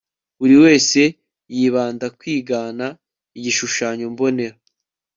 buri wese yibanda kwigana igishushanyo mbonera